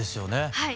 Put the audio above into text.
はい。